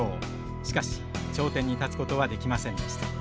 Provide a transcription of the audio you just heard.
しかし頂点に立つことはできませんでした。